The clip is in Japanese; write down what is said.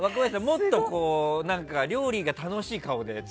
もっと料理が楽しい顔でって。